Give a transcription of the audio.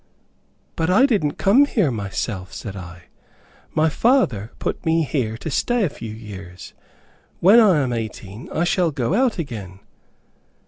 "But I didn't come here myself," said I; "my father put me here to stay a few years. When I am eighteen I shall go out again."